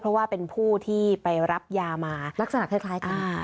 เพราะว่าเป็นผู้ที่ไปรับยามาลักษณะคล้ายกัน